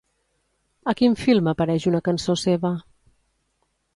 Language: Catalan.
A quin film apareix una cançó seva?